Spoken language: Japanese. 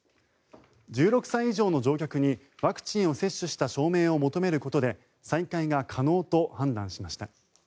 １６歳以上の乗客にワクチンを接種した証明を求めることで再開が可能と判断しました。